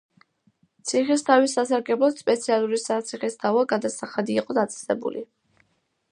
ციხისთავის სასარგებლოდ სპეციალური საციხისთავო გადასახადი იყო დაწესებული.